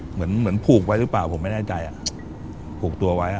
เหมือนผูกไว้หรือเปล่า